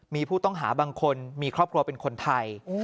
มีผู้ต้องหาบางคนมีครอบครัวเป็นคนไทย